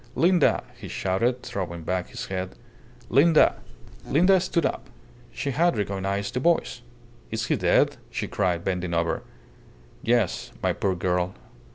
"Linda!" he shouted, throwing back his head. "Linda!" Linda stood up. She had recognized the voice. "Is he dead?" she cried, bending over. "Yes, my poor girl.